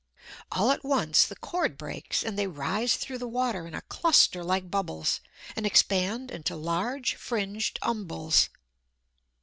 All at once the cord breaks, and they rise through the water in a cluster like bubbles, and expand into large, fringed umbels.